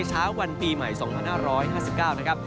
เช้าวันปีใหม่๒๕๕๙นะครับ